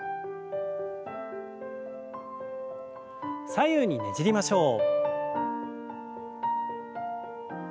左右にねじりましょう。